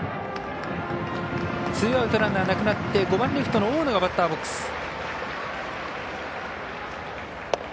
ツーアウト、ランナーなくなって５番の大野がバッターボックス。